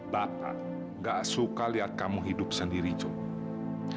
bapak nggak suka lihat kamu hidup sendiri jules